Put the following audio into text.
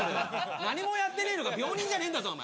何もやってねえのか病人じゃねえんだぞお前。